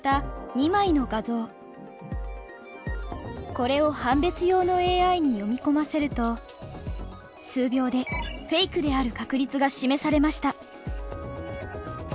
これを判別用のＡＩに読み込ませると数秒でフェイクである確率が示されました。